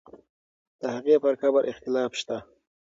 د هغې پر قبر اختلاف شته.